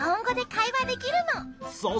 そう。